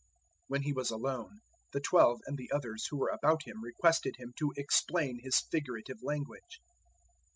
004:010 When He was alone, the Twelve and the others who were about Him requested Him to explain His figurative language.